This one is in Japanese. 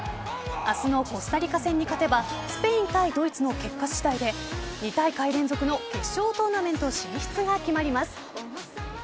明日のコスタリカ戦に勝てばスペイン対ドイツの結果次第で２大会連続の決勝トーナメント進出が決まります。